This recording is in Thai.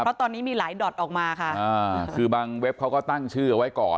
เพราะตอนนี้มีหลายดอตออกมาค่ะอ่าคือบางเว็บเขาก็ตั้งชื่อเอาไว้ก่อน